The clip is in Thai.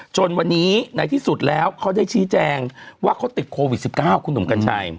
จนวันนี้ในที่สุดแล้วเขาได้ชี้แจงว่าเขาติดโควิด๑๙คุณหนุ่มกัญชัย